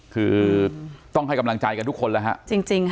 คือต้องให้กำลังใจกันทุกคนนะครับ